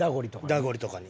「ダゴリ」とかに。